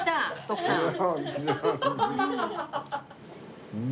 徳さん。